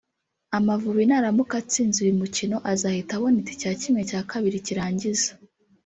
Amavubi naramuka atsinze uyu mukino azahita abona itike ya ½ cy’irangiza